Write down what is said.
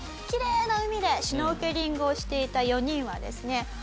きれいな海でシュノーケリングをしていた４人はですね